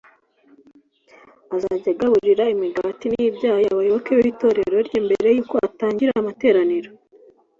azajya agaburira imigati n’ibyayi abayoboke b’itorero rye mbere y’uko batangira amateraniro